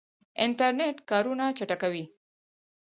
انټرنیټ کارونه چټکوي